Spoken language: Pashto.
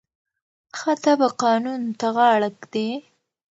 ښه تبعه قانون ته غاړه ږدي.